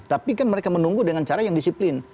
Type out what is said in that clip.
tapi kan mereka menunggu dengan cara yang disiplin